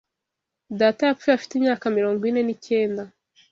Data yapfuye afite imyaka mirongo ine n'icyenda.